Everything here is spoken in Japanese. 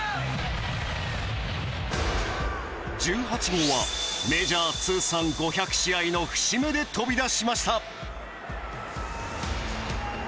１８号はメジャー通算５００試合の節目で飛び出しました。